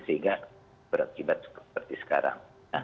sehingga berakibat seperti sekarang